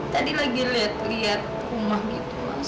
tadi lagi liat liat rumah gitu mas